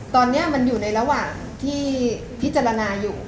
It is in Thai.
ตอนนี้มันอยู่ในระหว่างที่พิจารณาอยู่